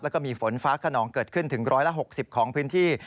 แล้วก็มีฝนฟ้าขนองเกิดขึ้นถึง๑๖๐ของพื้นที่